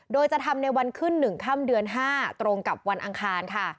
โดยจะทำในวันขึ้น๑ค่ำเดือน๕ตรงกับวันอังคารค่ะ